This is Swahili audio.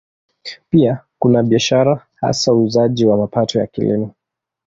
Pia kuna biashara, hasa uuzaji wa mapato ya Kilimo.